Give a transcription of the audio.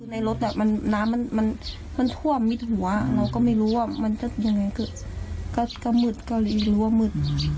ในรถน้ำมันมันท่วมมิดหัวเราก็ไม่รู้ว่ามันจะยังไงก็มืดก็เลยรู้ว่ามืด